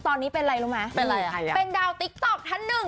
ตอนนี้เป็นอะไรรู้ไหมเป็นอะไรใครอ่ะเป็นดาวติ๊กต๊อกท่านหนึ่ง